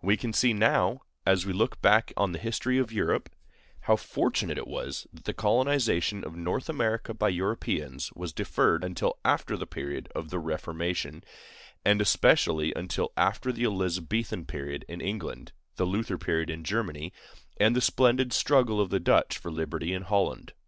We can see now, as we look back on the history of Europe, how fortunate it was that the colonization of North America by Europeans was deferred until after the period of the Reformation, and especially until after the Elizabethan period in England, the Luther period in Germany, and the splendid struggle of the Dutch for liberty in Holland.